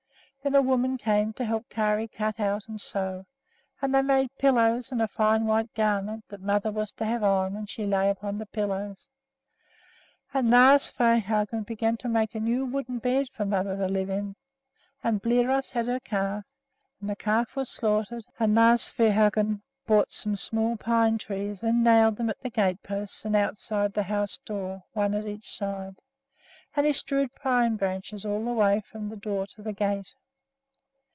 Then a woman came to help Kari cut out and sew, and they made pillows and a fine white garment that mother was to have on when she lay upon the pillows. And Lars Svehaugen began to make a new wooden bed for mother to lie in; and Bliros had her calf, and the calf was slaughtered; and Lars Svehaugen brought some small pine trees and nailed them at the gateposts and outside the house door, one at each side, and he strewed pine branches all the way from the door to the gate.